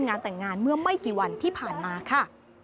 งานแต่งงานเมื่อไม่กี่วันที่ผ่านมาค่ะ